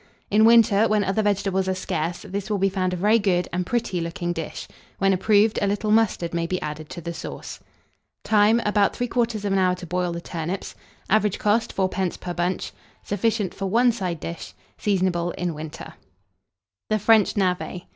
In winter, when other vegetables are scarce, this will be found a very good and pretty looking dish: when approved, a little mustard may be added to the sauce. Time. About 3/4 hour to boil the turnips. Average cost, 4d. per bunch. Sufficient for 1 side dish. Seasonable in winter. THE FRENCH NAVET.